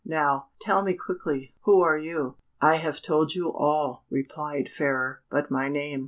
Now, tell me quickly, who are you?" "I have told you all," replied Fairer, "but my name.